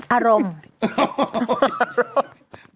อารมณ์